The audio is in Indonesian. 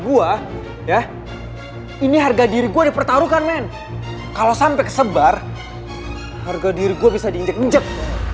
gua ya ini harga diri gue dipertaruhkan men kalau sampai kesebar harga diri gue bisa diinjek injek